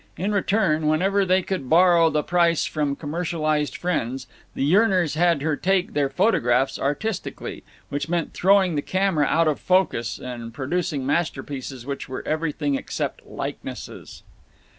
In return, whenever they could borrow the price from commercialized friends, the yearners had her take their photographs artistically, which meant throwing the camera out of focus and producing masterpieces which were everything except likenesses.